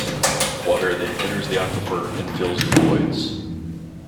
Water then enters the aquifer and fills the voids.